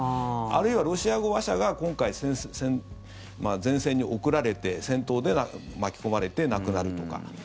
あるいはロシア語話者が今回、前線に送られて戦闘で巻き込まれて亡くなるとか。